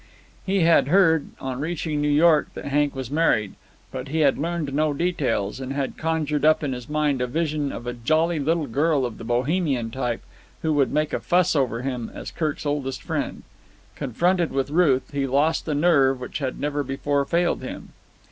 He had heard, on reaching New York, that Kirk was married, but he had learned no details, and had conjured up in his mind the vision of a jolly little girl of the Bohemian type, who would make a fuss over him as Kirk's oldest friend. Confronted with Ruth, he lost a nerve which had never before failed him.